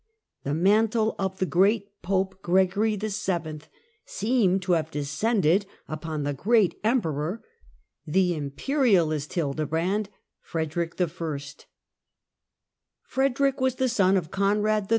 The mantle of the great Pope Gregory YII. seemed to have descended upon the great Emperor, the "imperialist Hildebrand," Frederick I. Frederick was the son of Conrad III.'